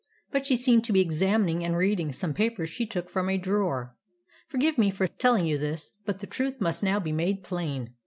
But she seemed to be examining and reading some papers she took from a drawer. Forgive me for telling you this, but the truth must now be made plain.